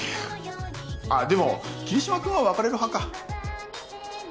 あっでも桐島君は別れる派か。